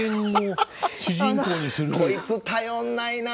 「こいつ頼んないな。